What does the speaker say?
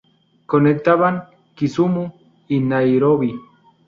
Conectaban Kisumu y Nairobi.